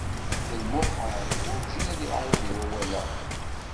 D lmuḥal, werǧin ad ɛiwḍed i wawal-a.